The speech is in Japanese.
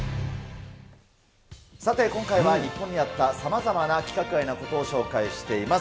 さて今回は、日本にあったさまざまな規格外なことを紹介しています。